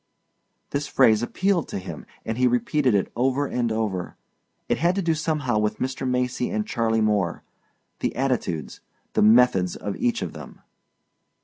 This phrase appealed to him and he repeated it over and over. It had to do somehow with Mr. Macy and Charley Moore the attitudes, the methods of each of them.